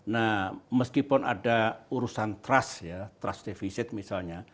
nah meskipun ada urusan keras ya keras keras misalnya